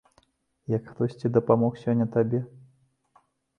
Як хтосьці дапамог сёння табе?